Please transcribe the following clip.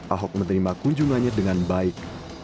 ahok menerima kunjungannya dengan baik